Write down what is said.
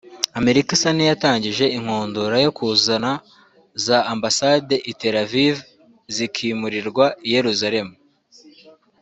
Amerika isa n’iyatangije inkundura yo kuvana za ambasade i Tel Aviv zikimurirwa i Yeruzalemu